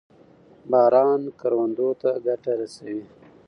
باران کروندو ته ګټه رسوي.